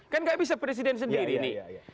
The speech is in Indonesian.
kan gak bisa presiden sendiri nih